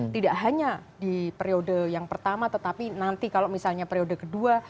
tidak hanya di periode yang pertama tetapi nanti kalau misalnya periode kedua